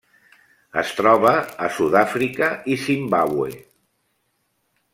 Es troba a Sud-àfrica i Zimbàbue.